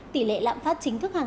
tỷ lệ lạm phát chính thức hàng